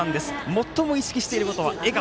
最も意識していることは笑顔。